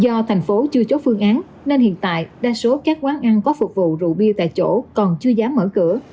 do thành phố chưa chốt phương án nên hiện tại đa số các quán ăn có phục vụ rượu bia tại chỗ còn chưa dám mở cửa